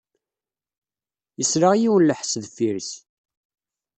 Yesla i yiwen n lḥess deffir-s.